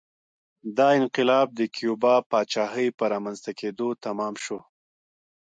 دا انقلاب د کیوبا پاچاهۍ په رامنځته کېدو تمام شو